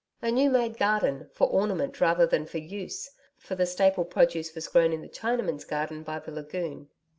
A new made garden, for ornament rather than for use, for the staple produce was grown in the Chinaman's garden by the lagoon.